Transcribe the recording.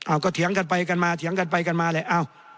เอาก็เถียงกันไปกันมาเถียงกันไปกันมาแหละเอ้า